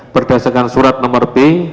berdasarkan surat nomor b